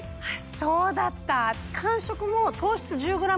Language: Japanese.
そうだった！